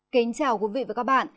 kính chào quý vị và các bạn